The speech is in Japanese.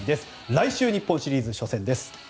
来週日本シリーズ初戦です。